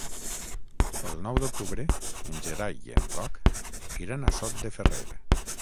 El nou d'octubre en Gerai i en Roc iran a Sot de Ferrer.